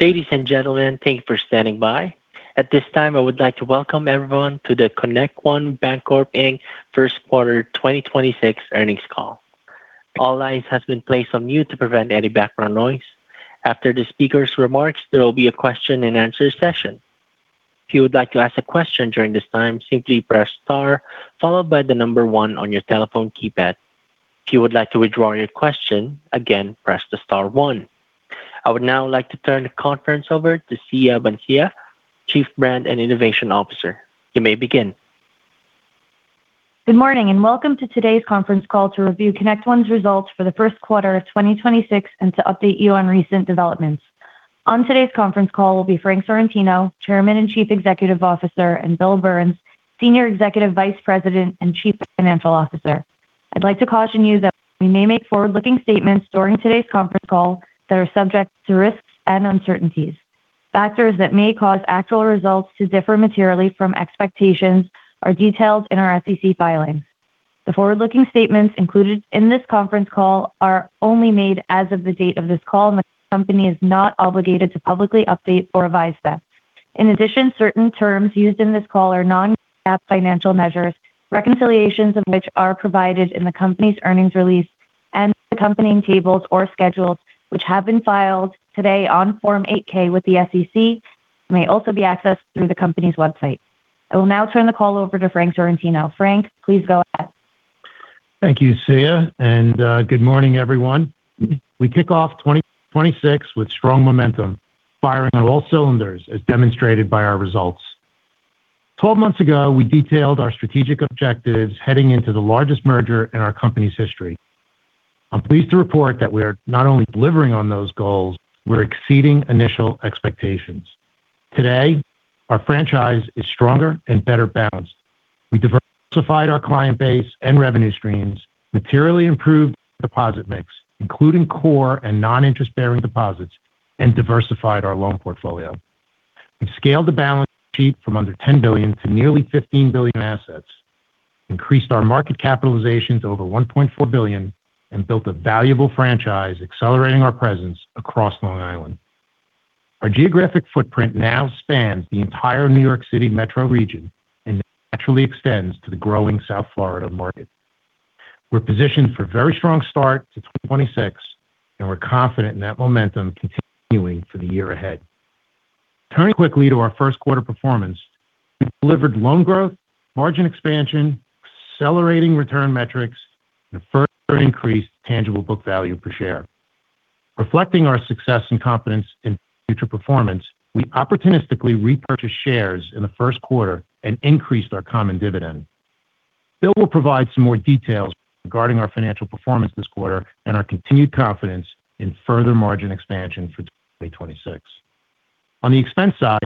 Ladies and gentlemen, thank you for standing by. At this time, I would like to welcome everyone to the ConnectOne Bancorp, Inc. First Quarter 2026 Earnings Call. All lines have been placed on mute to prevent any background noise. After the speaker's remarks, there will be a question and answer session. If you would like to ask a question during this time, simply press star followed by the number one on your telephone keypad. If you would like to withdraw your question, again, press the star one. I would now like to turn the conference over to Siya Vansia, Chief Brand and Innovation Officer. You may begin. Good morning, and welcome to today's conference call to review ConnectOne's Results for the First Quarter of 2026 and to update you on recent developments. On today's conference call will be Frank Sorrentino, Chairman and Chief Executive Officer, and Bill Burns, Senior Executive Vice President and Chief Financial Officer. I'd like to caution you that we may make forward-looking statements during today's conference call that are subject to risks and uncertainties. Factors that may cause actual results to differ materially from expectations are detailed in our SEC filings. The forward-looking statements included in this conference call are only made as of the date of this call, and the company is not obligated to publicly update or revise them. In addition, certain terms used in this call are non-GAAP financial measures, reconciliations of which are provided in the company's earnings release and the accompanying tables or schedules, which have been filed today on Form 8-K with the SEC and may also be accessed through the company's website. I will now turn the call over to Frank Sorrentino. Frank, please go ahead. Thank you, Siya, and good morning, everyone. We kick off 2026 with strong momentum, firing on all cylinders, as demonstrated by our results. 12 months ago, we detailed our strategic objectives heading into the largest merger in our company's history. I'm pleased to report that we are not only delivering on those goals, we're exceeding initial expectations. Today, our franchise is stronger and better balanced. We diversified our client base and revenue streams, materially improved deposit mix, including core and non-interest-bearing deposits, and diversified our loan portfolio. We've scaled the balance sheet from under $10 billion to nearly $15 billion assets, increased our market capitalization to over $1.4 billion, and built a valuable franchise, accelerating our presence across Long Island. Our geographic footprint now spans the entire New York City metro region and naturally extends to the growing South Florida market. We're positioned for a very strong start to 2026, and we're confident in that momentum continuing for the year ahead. Turning quickly to our first quarter performance, we've delivered loan growth, margin expansion, accelerating return metrics, and a further increased tangible book value per share. Reflecting our success and confidence in future performance, we opportunistically repurchased shares in the first quarter and increased our common dividend. Bill will provide some more details regarding our financial performance this quarter and our continued confidence in further margin expansion for 2026. On the expense side,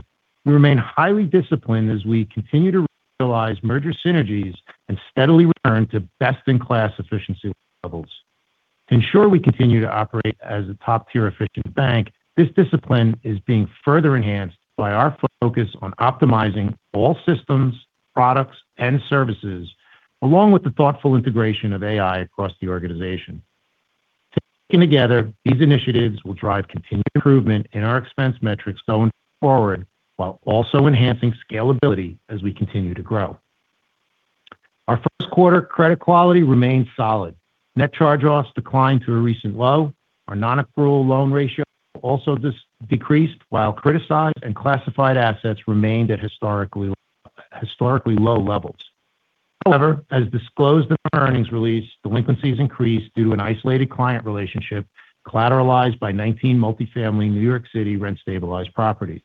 we remain highly disciplined as we continue to realize merger synergies and steadily return to best-in-class efficiency levels. To ensure we continue to operate as a top-tier efficient bank, this discipline is being further enhanced by our focus on optimizing all systems, products, and services, along with the thoughtful integration of AI across the organization. Taken together, these initiatives will drive continued improvement in our expense metrics going forward while also enhancing scalability as we continue to grow. Our first quarter credit quality remained solid. Net charge-offs declined to a recent low. Our non-accrual loan ratio also decreased, while criticized and classified assets remained at historically low levels. However, as disclosed in our earnings release, delinquencies increased due to an isolated client relationship collateralized by 19 multifamily New York City rent-stabilized properties.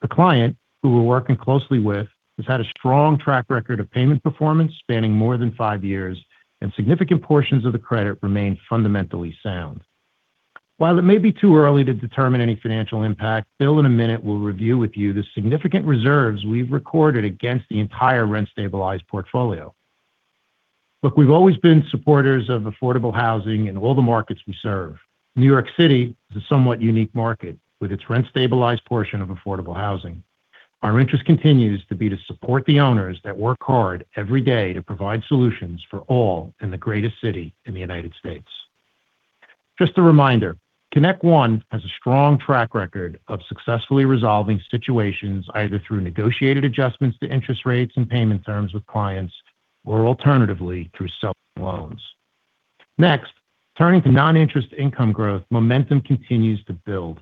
The client, who we're working closely with, has had a strong track record of payment performance spanning more than five years, and significant portions of the credit remain fundamentally sound. While it may be too early to determine any financial impact, Bill, in a minute, will review with you the significant reserves we've recorded against the entire rent-stabilized portfolio. Look, we've always been supporters of affordable housing in all the markets we serve. New York City is a somewhat unique market with its rent-stabilized portion of affordable housing. Our interest continues to be to support the owners that work hard every day to provide solutions for all in the greatest city in the United States. Just a reminder, ConnectOne has a strong track record of successfully resolving situations either through negotiated adjustments to interest rates and payment terms with clients or alternatively through selling loans. Next, turning to non-interest income growth, momentum continues to build.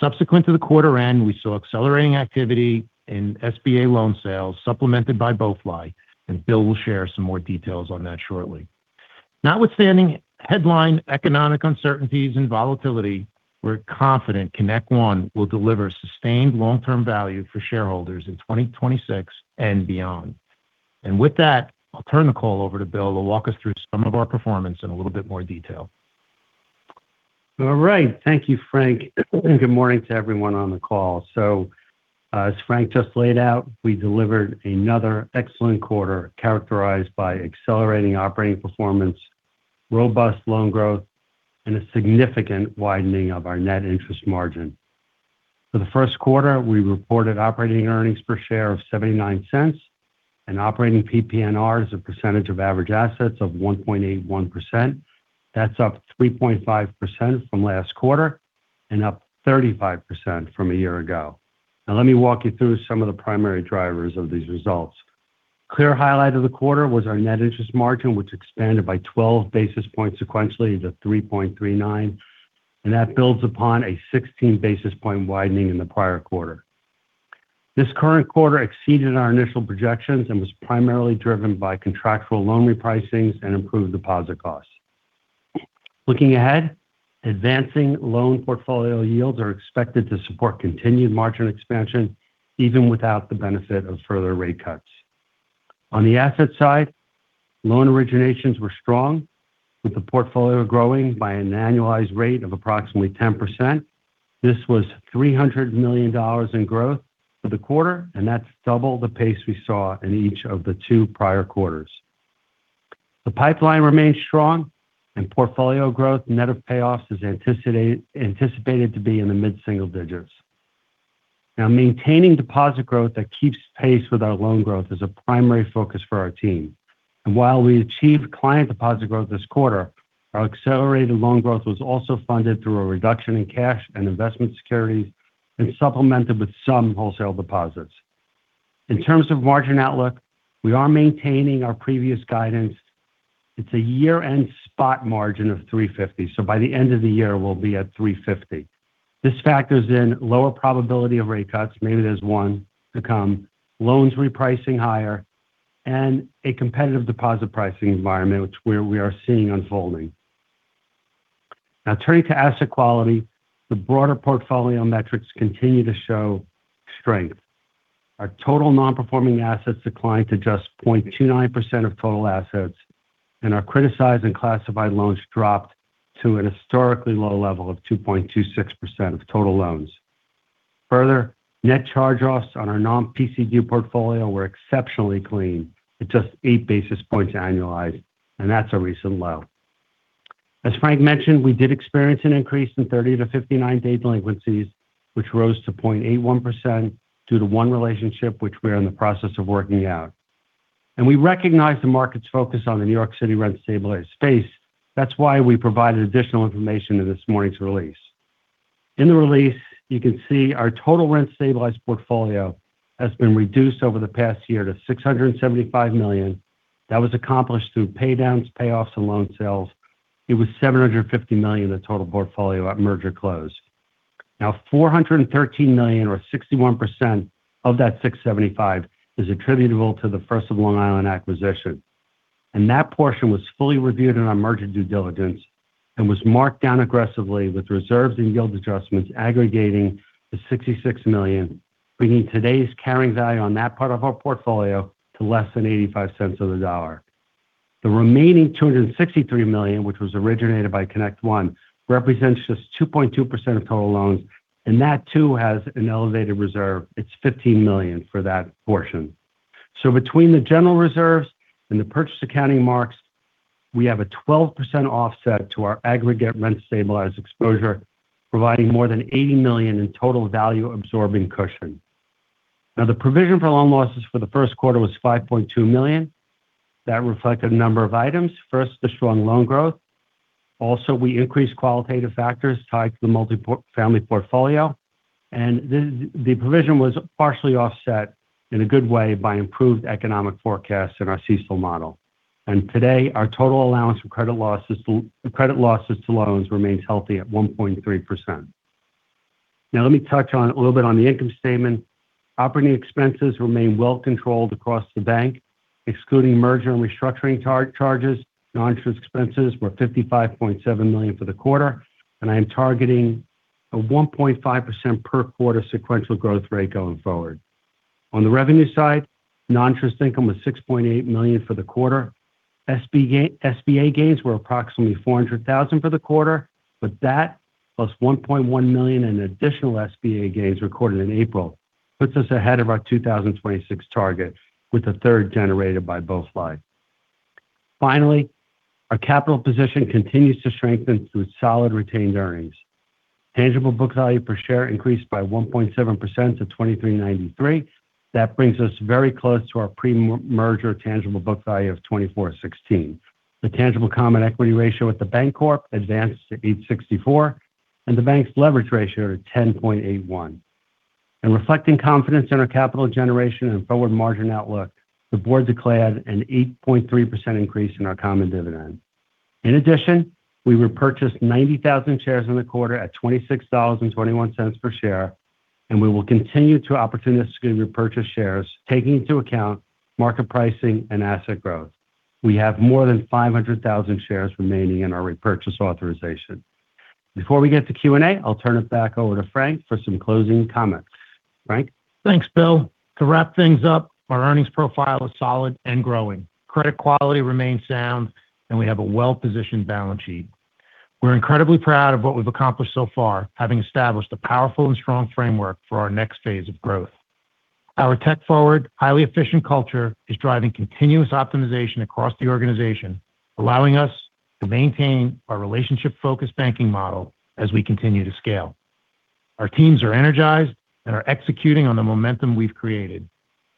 Subsequent to the quarter end, we saw accelerating activity in SBA loan sales supplemented by BoeFly, and Bill will share some more details on that shortly. Notwithstanding headline economic uncertainties and volatility, we're confident ConnectOne will deliver sustained long-term value for shareholders in 2026 and beyond. With that, I'll turn the call over to Bill, who'll walk us through some of our performance in a little bit more detail. All right. Thank you, Frank. Good morning to everyone on the call. As Frank just laid out, we delivered another excellent quarter characterized by accelerating operating performance, robust loan growth, and a significant widening of our net interest margin. For the first quarter, we reported operating earnings per share of $0.79. Operating PPNR as a percentage of average assets of 1.81%. That's up 3.5% from last quarter and up 35% from a year ago. Now let me walk you through some of the primary drivers of these results. Clear highlight of the quarter was our net interest margin, which expanded by 12 basis points sequentially to 3.39, and that builds upon a 16 basis point widening in the prior quarter. This current quarter exceeded our initial projections and was primarily driven by contractual loan repricings and improved deposit costs. Looking ahead, advancing loan portfolio yields are expected to support continued margin expansion even without the benefit of further rate cuts. On the asset side, loan originations were strong, with the portfolio growing by an annualized rate of approximately 10%. This was $300 million in growth for the quarter, and that's double the pace we saw in each of the two prior quarters. The pipeline remains strong and portfolio growth net of payoffs is anticipated to be in the mid-single digits. Now, maintaining deposit growth that keeps pace with our loan growth is a primary focus for our team. While we achieved client deposit growth this quarter, our accelerated loan growth was also funded through a reduction in cash and investment securities and supplemented with some wholesale deposits. In terms of margin outlook, we are maintaining our previous guidance. It's a year-end spot margin of 350, so by the end of the year, we'll be at 350. This factors in lower probability of rate cuts, maybe there's one to come, loans repricing higher, and a competitive deposit pricing environment, which is where we are seeing it unfolding. Now turning to asset quality, the broader portfolio metrics continue to show strength. Our total non-performing assets declined to just 0.29% of total assets, and our criticized and classified loans dropped to an historically low level of 2.26% of total loans. Further, net charge-offs on our non-PCD portfolio were exceptionally clean at just 8 basis points annualized, and that's a recent low. As Frank mentioned, we did experience an increase in 30- to 59-day delinquencies, which rose to 0.81% due to one relationship which we are in the process of working out. We recognize the market's focus on the New York City rent-stabilized space. That's why we provided additional information in this morning's release. In the release, you can see our total rent-stabilized portfolio has been reduced over the past year to $675 million. That was accomplished through pay-downs, payoffs, and loan sales. It was $750 million, the total portfolio at merger close. Now, $413 million or 61% of that $675 is attributable to the First of Long Island acquisition. That portion was fully reviewed in our merger due diligence and was marked down aggressively with reserves and yield adjustments aggregating to $66 million, bringing today's carrying value on that part of our portfolio to less than 85 cents on the dollar. The remaining $263 million, which was originated by ConnectOne, represents just 2.2% of total loans, and that too has an elevated reserve. It's $15 million for that portion. Between the general reserves and the purchase accounting marks, we have a 12% offset to our aggregate rent-stabilized exposure, providing more than $80 million in total value absorbing cushion. Now, the provision for loan losses for the first quarter was $5.2 million. That reflected a number of items. First, the strong loan growth. Also, we increased qualitative factors tied to the multifamily portfolio, and the provision was partially offset in a good way by improved economic forecasts in our CECL model. Today, our total allowance for credit losses to loans remains healthy at 1.3%. Now, let me touch a little bit on the income statement. Operating expenses remain well controlled across the bank. Excluding merger and restructuring charges, non-interest expenses were $55.7 million for the quarter, and I am targeting a 1.5% per quarter sequential growth rate going forward. On the revenue side, non-interest income was $6.8 million for the quarter. SBA gains were approximately $400,000 for the quarter, but that plus $1.1 million in additional SBA gains recorded in April puts us ahead of our 2026 target with a third generated by BoeFly. Finally, our capital position continues to strengthen through solid retained earnings. Tangible book value per share increased by 1.7% to $23.93. That brings us very close to our pre-merger tangible book value of $24.16. The tangible common equity ratio at the Bancorp advanced to 8.64, and the bank's leverage ratio to 10.81. In reflecting confidence in our capital generation and forward margin outlook, the board declared an 8.3% increase in our common dividend. In addition, we repurchased 90,000 shares in the quarter at $26.21 per share, and we will continue to opportunistically repurchase shares, taking into account market pricing and asset growth. We have more than 500,000 shares remaining in our repurchase authorization. Before we get to Q&A, I'll turn it back over to Frank for some closing comments. Frank? Thanks, Bill. To wrap things up, our earnings profile is solid and growing. Credit quality remains sound, and we have a well-positioned balance sheet. We're incredibly proud of what we've accomplished so far, having established a powerful and strong framework for our next phase of growth. Our tech-forward, highly efficient culture is driving continuous optimization across the organization, allowing us to maintain our relationship-focused banking model as we continue to scale. Our teams are energized and are executing on the momentum we've created.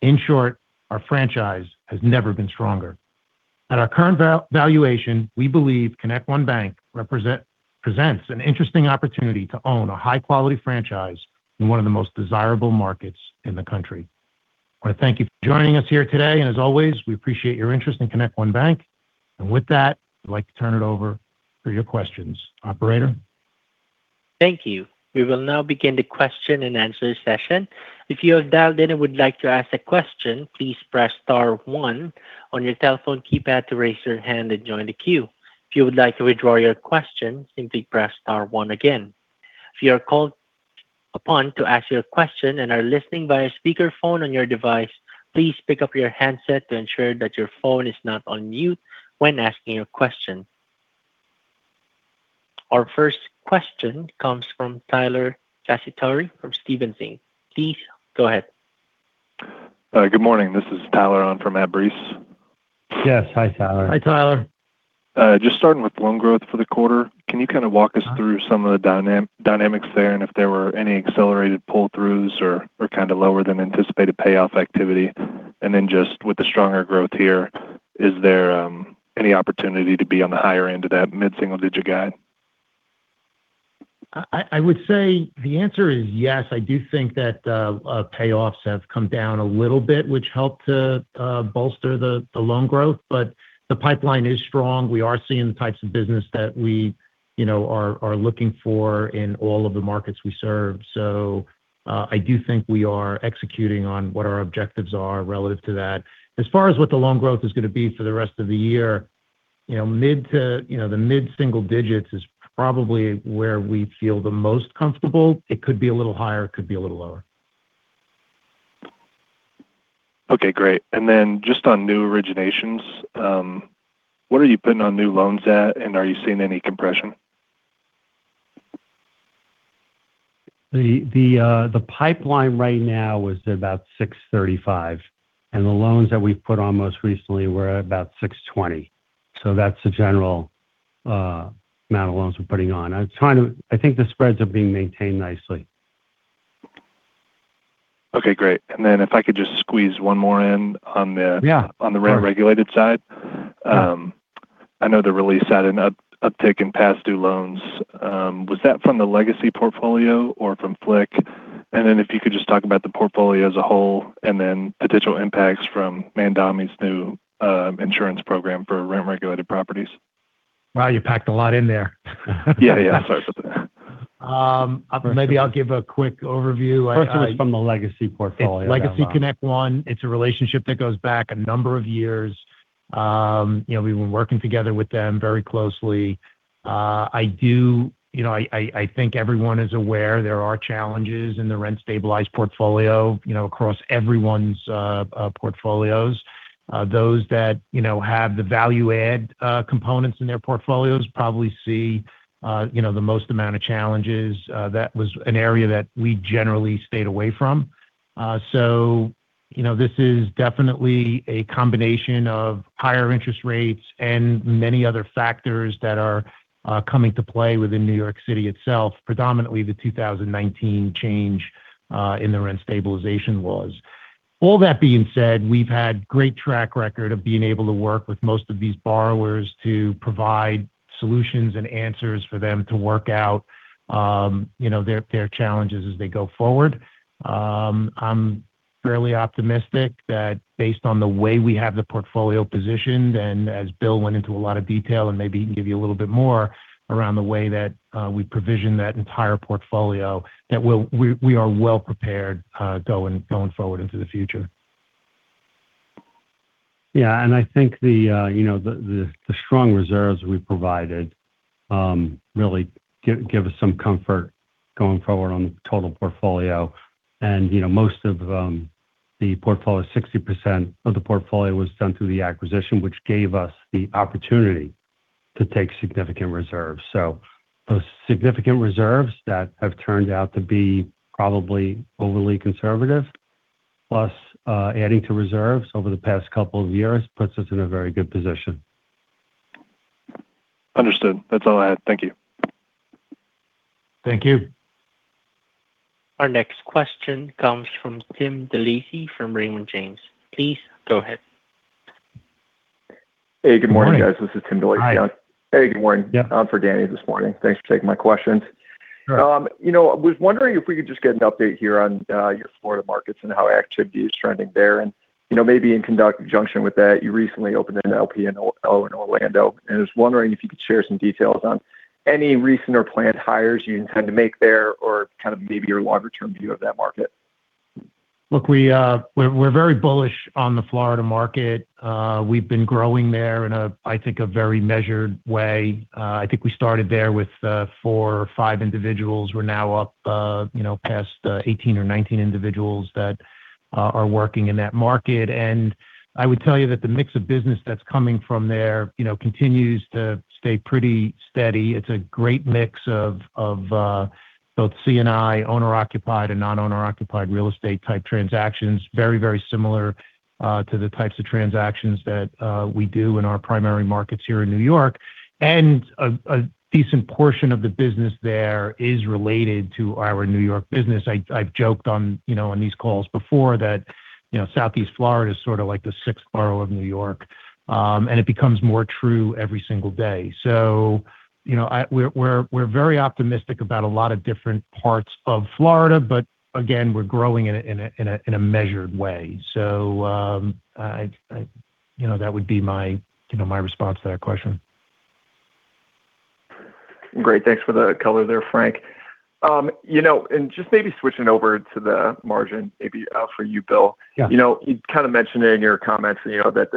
In short, our franchise has never been stronger. At our current valuation, we believe ConnectOne Bank presents an interesting opportunity to own a high-quality franchise in one of the most desirable markets in the country. I want to thank you for joining us here today, and as always, we appreciate your interest in ConnectOne Bank. With that, I'd like to turn it over for your questions. Operator? Thank you. We will now begin the question and answer session. If you have dialed in and would like to ask a question, please press star one on your telephone keypad to raise your hand and join the queue. If you would like to withdraw your question, simply press star one again. If you are called upon to ask your question and are listening by a speakerphone on your device, please pick up your handset to ensure that your phone is not on mute when asking your question. Our first question comes from Tyler Cacciatori from Stephens Inc. Please, go ahead. Good morning. This is Tyler. I'm from Stephens. Yes. Hi, Tyler. Hi, Tyler. Just starting with loan growth for the quarter, can you kind of walk us through some of the dynamics there, and if there were any accelerated pull-throughs or kind of lower-than-anticipated payoff activity? Just with the stronger growth here, is there any opportunity to be on the higher end of that mid-single-digit guide? I would say the answer is yes. I do think that payoffs have come down a little bit, which helped to bolster the loan growth. The pipeline is strong. We are seeing the types of business that we are looking for in all of the markets we serve. I do think we are executing on what our objectives are relative to that. As far as what the loan growth is going to be for the rest of the year, the mid-single digits% is probably where we feel the most comfortable. It could be a little higher, it could be a little lower. Okay, great. Just on new originations, what are you putting on new loans at? Are you seeing any compression? The pipeline right now is about $635, and the loans that we've put on most recently were about $620. That's the general amount of loans we're putting on. I think the spreads are being maintained nicely. Okay, great. If I could just squeeze one more in on the- Yeah. On the rent-regulated side. I know the release had an uptick in past due loans. Was that from the legacy portfolio or from FLIC? If you could just talk about the portfolio as a whole, and then potential impacts from [] new insurance program for rent-regulated properties. Wow, you packed a lot in there. Yeah. Sorry about that. Maybe I'll give a quick overview. First, it was from the legacy portfolio. It's legacy ConnectOne. It's a relationship that goes back a number of years. We've been working together with them very closely. I think everyone is aware there are challenges in the rent-stabilized portfolio across everyone's portfolios. Those that have the value-add components in their portfolios probably see the most amount of challenges. That was an area that we generally stayed away from. This is definitely a combination of higher interest rates and many other factors that are coming to play within New York City itself, predominantly the 2019 change in the rent stabilization laws. All that being said, we've had great track record of being able to work with most of these borrowers to provide solutions and answers for them to work out their challenges as they go forward. I'm fairly optimistic that based on the way we have the portfolio positioned, and as Bill went into a lot of detail and maybe he can give you a little bit more around the way that we provision that entire portfolio, that we are well prepared going forward into the future. Yeah, I think the strong reserves we provided really give us some comfort going forward on the total portfolio. Most of the portfolio, 60% of the portfolio was done through the acquisition, which gave us the opportunity to take significant reserves. Those significant reserves that have turned out to be probably overly conservative, plus adding to reserves over the past couple of years puts us in a very good position. Understood. That's all I had. Thank you. Thank you. Our next question comes from [Tim Delisi] from Raymond James. Please, go ahead. Hey, good morning, guys. Good morning. This is [Tim Delisi]. Hi. Hey, good morning. Yep. I'm in for Daniel this morning. Thanks for taking my questions. Sure. I was wondering if we could just get an update here on your Florida markets and how activity is trending there. Maybe in conjunction with that, you recently opened an LPO in Orlando. I was wondering if you could share some details on any recent or planned hires you intend to make there or kind of maybe your longer-term view of that market. Look, we're very bullish on the Florida market. We've been growing there in, I think, a very measured way. I think we started there with 4 or 5 individuals. We're now up past 18 or 19 individuals that are working in that market. I would tell you that the mix of business that's coming from there continues to stay pretty steady. It's a great mix of C&I, owner-occupied and non-owner occupied real estate type transactions. Very similar to the types of transactions that we do in our primary markets here in New York. A decent portion of the business there is related to our New York business. I've joked on these calls before that Southeast Florida is sort of like the sixth borough of New York. It becomes more true every single day. We're very optimistic about a lot of different parts of Florida. Again, we're growing in a measured way. That would be my response to that question. Great. Thanks for the color there, Frank. Just maybe switching over to the margin, maybe for you, Bill. Yeah. You kind of mentioned it in your comments that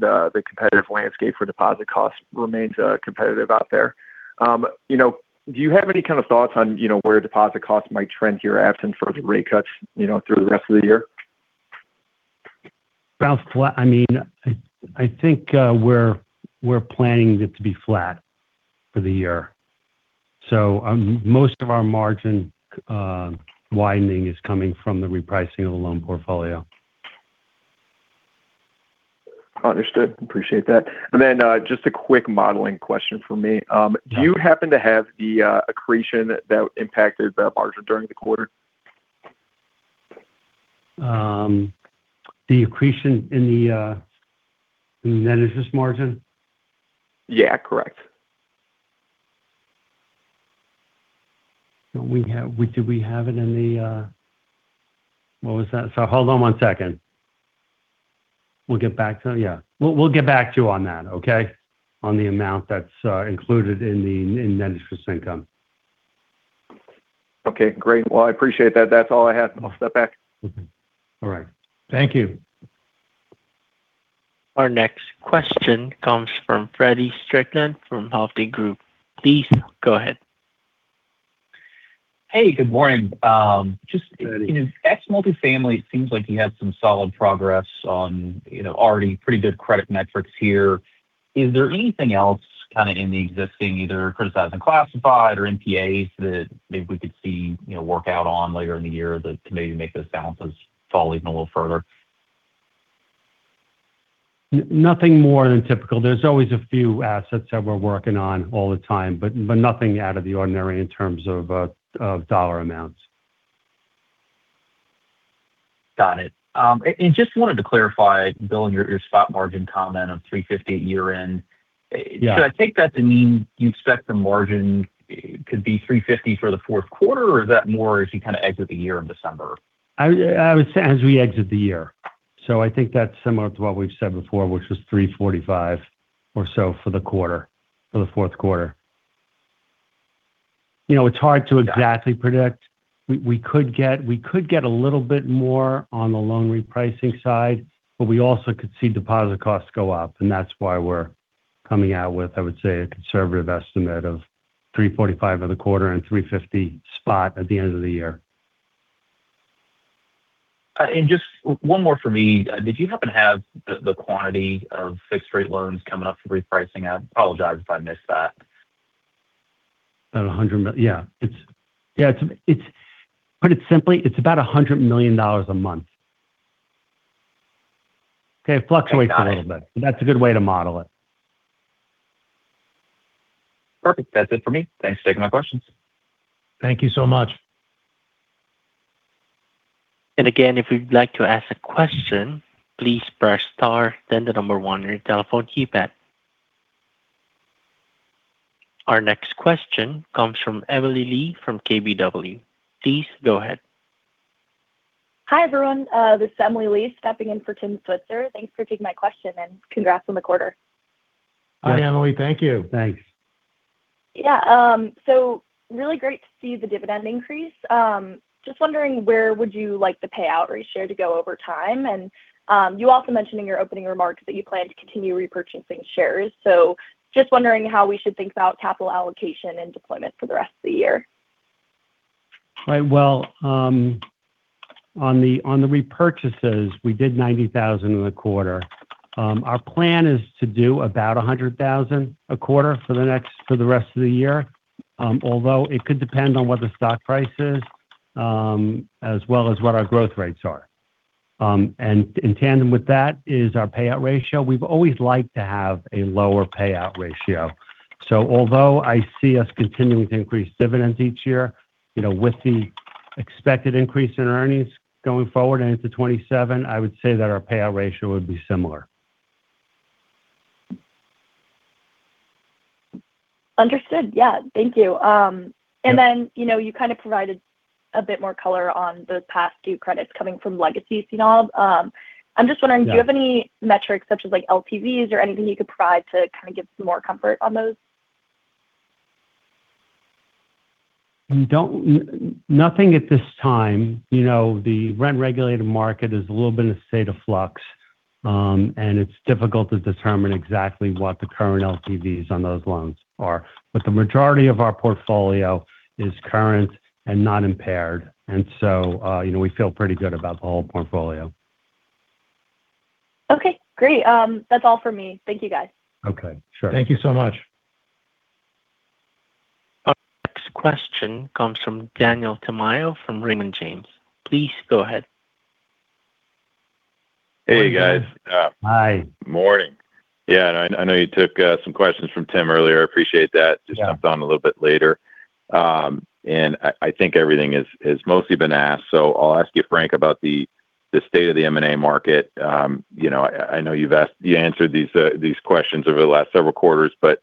the competitive landscape for deposit cost remains competitive out there. Do you have any kind of thoughts on where deposit costs might trend here absent further rate cuts through the rest of the year? I think we're planning it to be flat for the year. Most of our margin widening is coming from the repricing of the loan portfolio. Understood. Appreciate that. Just a quick modeling question from me. Do you happen to have the accretion that impacted that margin during the quarter? The accretion in the net interest margin? Yeah. Correct. What was that? Hold on one second. We'll get back to you. Yeah. We'll get back to you on that, okay? On the amount that's included in the net interest income. Okay, great. Well, I appreciate that. That's all I had. I'll step back. All right. Thank you. Our next question comes from Feddie Strickland from Hovde Group. Please go ahead. Hey, good morning. Feddie. Just in ex-multifamily, it seems like you had some solid progress on already pretty good credit metrics here. Is there anything else kind of in the existing either criticized classified or NPAs that maybe we could see work out on later in the year to maybe make those balances fall even a little further? Nothing more than typical. There's always a few assets that we're working on all the time, but nothing out of the ordinary in terms of dollar amounts. Got it. Just wanted to clarify, Bill, in your spot margin comment of 3.50% at year-end. Yeah. Should I take that to mean you'd expect the margin could be 350 for the fourth quarter? Or is that more as you kind of exit the year in December? I would say as we exit the year. I think that's similar to what we've said before, which was 345 or so for the quarter, for the fourth quarter. It's hard to exactly predict. We could get a little bit more on the loan repricing side, but we also could see deposit costs go up, and that's why we're coming out with, I would say, a conservative estimate of 345 for the quarter and 350 spot at the end of the year. Just one more for me. Did you happen to have the quantity of fixed-rate loans coming up for repricing? I apologize if I missed that. About $100 million. Yeah. To put it simply, it's about $100 million a month. Okay. It fluctuates a little bit. Got it. That's a good way to model it. Perfect. That's it for me. Thanks for taking my questions. Thank you so much. Again, if you'd like to ask a question, please press star then the number one on your telephone keypad. Our next question comes from Emily Lee from KBW. Please go ahead. Hi, everyone. This is Emily Lee stepping in for Tim Switzer. Thanks for taking my question, and congrats on the quarter. Hi, Emily. Thank you. Thanks. Yeah. Really great to see the dividend increase. Just wondering where would you like the payout ratio to go over time? You also mentioned in your opening remarks that you plan to continue repurchasing shares. Just wondering how we should think about capital allocation and deployment for the rest of the year. Right. Well, on the repurchases, we did 90,000 in the quarter. Our plan is to do about 100,000 a quarter for the rest of the year, although it could depend on what the stock price is, as well as what our growth rates are. In tandem with that is our payout ratio. We've always liked to have a lower payout ratio. Although I see us continuing to increase dividends each year, with the expected increase in earnings going forward and into 2027, I would say that our payout ratio would be similar. Understood. Yeah. Thank you. Yeah. You kind of provided a bit more color on the past due credits coming from legacy CNOB. I'm just wondering. Yeah... do you have any metrics such as like LTVs or anything you could provide to kind of give some more comfort on those? Nothing at this time. The rent-regulated market is a little bit in a state of flux, and it's difficult to determine exactly what the current LTVs on those loans are. The majority of our portfolio is current and not impaired, and so we feel pretty good about the whole portfolio. Okay. Great. That's all for me. Thank you guys. Okay, sure. Thank you so much. Our next question comes from Daniel Tamayo from Raymond James. Please go ahead. Hey, you guys. Hi. Morning. Yeah, I know you took some questions from Tim earlier. I appreciate that. Yeah. Just jumped on a little bit later. I think everything has mostly been asked. I'll ask you, Frank, about the state of the M&A market. I know you've answered these questions over the last several quarters, but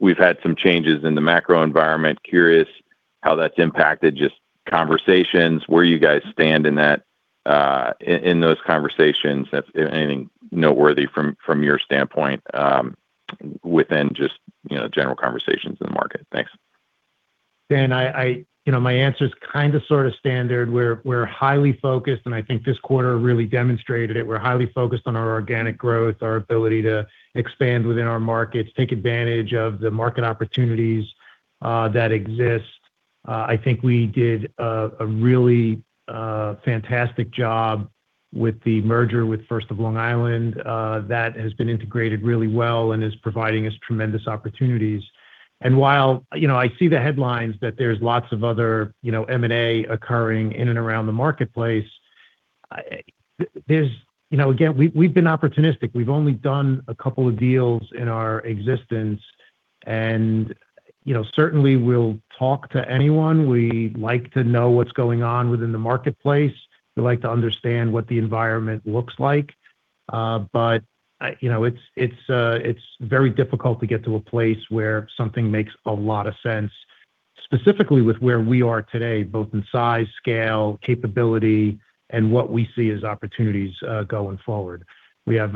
we've had some changes in the macro environment. I'm curious how that's impacted just conversations, where you guys stand in those conversations, if anything noteworthy from your standpoint within just general conversations in the market. Thanks. Danny, my answer's kind of, sort of standard. We're highly focused, and I think this quarter really demonstrated it. We're highly focused on our organic growth, our ability to expand within our markets, take advantage of the market opportunities that exist. I think we did a really fantastic job with the merger with The First of Long Island. That has been integrated really well and is providing us tremendous opportunities. While I see the headlines that there's lots of other M&A occurring in and around the marketplace, again, we've been opportunistic. We've only done a couple of deals in our existence and certainly we'll talk to anyone. We like to know what's going on within the marketplace. We like to understand what the environment looks like. It's very difficult to get to a place where something makes a lot of sense, specifically with where we are today, both in size, scale, capability, and what we see as opportunities going forward. We're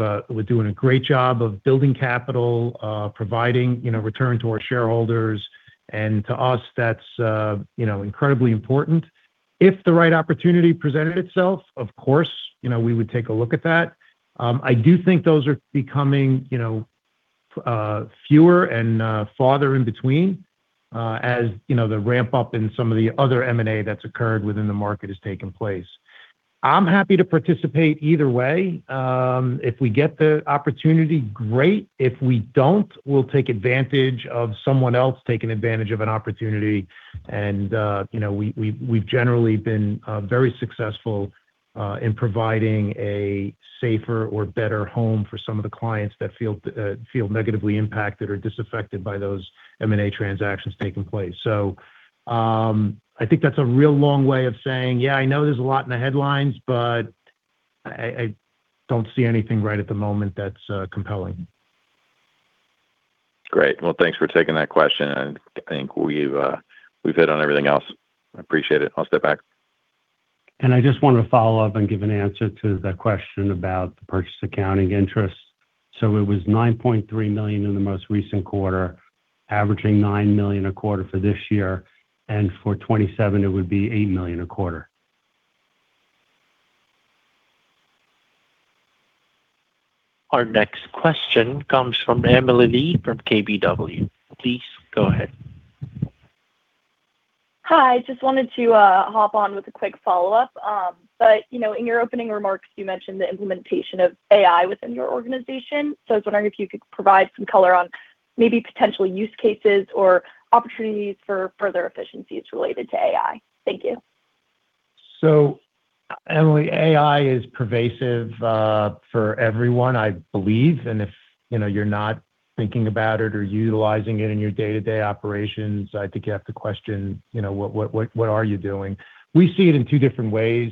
doing a great job of building capital, providing return to our shareholders. To us, that's incredibly important. If the right opportunity presented itself, of course, we would take a look at that. I do think those are becoming fewer and farther in between as the ramp up in some of the other M&A that's occurred within the market has taken place. I'm happy to participate either way. If we get the opportunity, great. If we don't, we'll take advantage of someone else taking advantage of an opportunity. We've generally been very successful in providing a safer or better home for some of the clients that feel negatively impacted or disaffected by those M&A transactions taking place. I think that's a real long way of saying, yeah, I know there's a lot in the headlines, but I don't see anything right at the moment that's compelling. Great. Well, thanks for taking that question, and I think we've hit on everything else. I appreciate it. I'll step back. I just wanted to follow up and give an answer to the question about the purchase accounting interest. It was $9.3 million in the most recent quarter, averaging $9 million a quarter for this year, and for 2027 it would be $8 million a quarter. Our next question comes from Emily Lee from KBW. Please go ahead. Hi, just wanted to hop on with a quick follow up. In your opening remarks, you mentioned the implementation of AI within your organization. I was wondering if you could provide some color on maybe potential use cases or opportunities for further efficiencies related to AI. Thank you. Emily, AI is pervasive for everyone, I believe. If you're not thinking about it or utilizing it in your day-to-day operations, I think you have to question what are you doing. We see it in two different ways.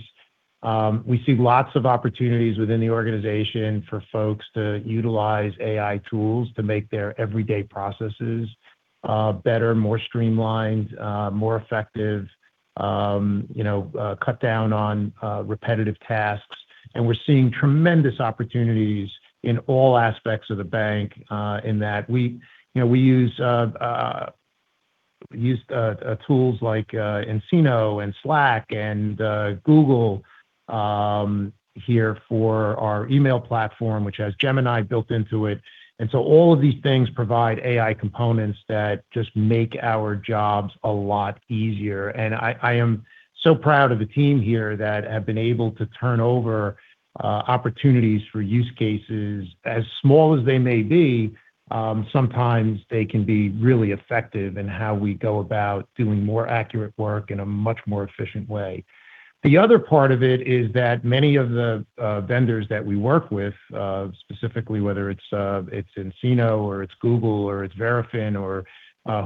We see lots of opportunities within the organization for folks to utilize AI tools to make their everyday processes better, more streamlined, more effective. Cut down on repetitive tasks. We're seeing tremendous opportunities in all aspects of the bank in that we use tools like nCino and Slack and Google here for our email platform, which has Gemini built into it. All of these things provide AI components that just make our jobs a lot easier. I am so proud of the team here that have been able to turn over opportunities for use cases, as small as they may be. Sometimes they can be really effective in how we go about doing more accurate work in a much more efficient way. The other part of it is that many of the vendors that we work with, specifically whether it's nCino or it's Google or it's Verafin or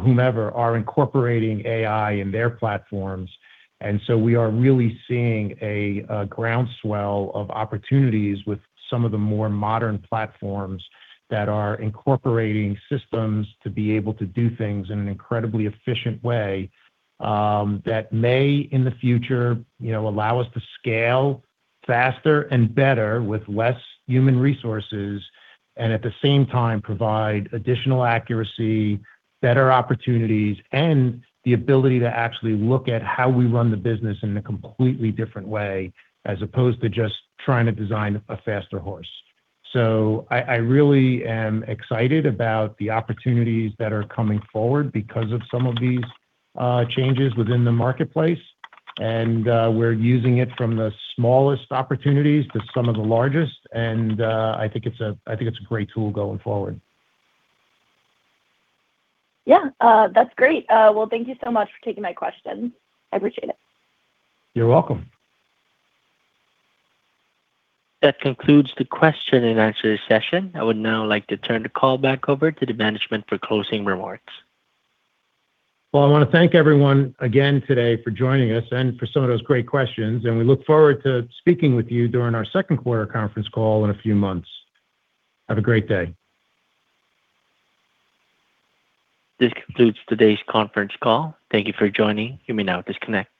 whomever, are incorporating AI in their platforms. We are really seeing a groundswell of opportunities with some of the more modern platforms that are incorporating systems to be able to do things in an incredibly efficient way, that may, in the future allow us to scale faster and better with less human resources and at the same time provide additional accuracy, better opportunities, and the ability to actually look at how we run the business in a completely different way, as opposed to just trying to design a faster horse. I really am excited about the opportunities that are coming forward because of some of these changes within the marketplace. We're using it from the smallest opportunities to some of the largest. I think it's a great tool going forward. Yeah. That's great. Well, thank you so much for taking my question. I appreciate it. You're welcome. That concludes the question and answer session. I would now like to turn the call back over to the management for closing remarks. Well, I want to thank everyone again today for joining us and for some of those great questions, and we look forward to speaking with you during our second quarter conference call in a few months. Have a great day. This concludes today's conference call. Thank you for joining. You may now disconnect.